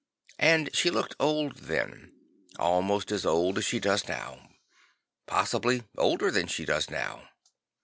And she looked old then; almost as old as she does now; possibly older than she does now.